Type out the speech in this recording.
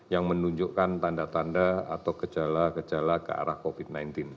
yang menunjukkan tanda tanda atau gejala gejala ke arah covid sembilan belas